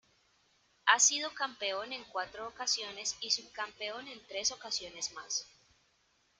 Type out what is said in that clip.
Ha sido campeón en cuatro ocasiones y subcampeón en tres ocasiones más.